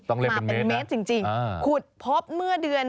ต้องเล่นเป็นเมตรนะมาเป็นเมตรจริงคุดพบเมื่อเดือน